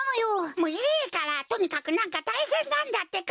もういいからとにかくなんかたいへんなんだってか！